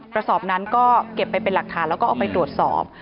กระสอบนั้นก็เก็บไปเป็นหลักฐานแล้วก็เอาไปตรวจสอบ